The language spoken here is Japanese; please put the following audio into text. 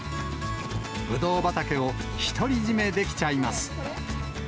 ぶどう畑を独り占めできちゃいます。